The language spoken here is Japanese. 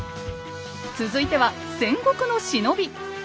続いては「戦国の忍び」。